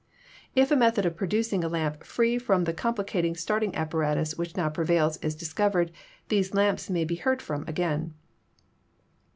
If a method of producing a lamp free from the complicated starting apparatus which now prevails is discovered, these lamps may be heard from again.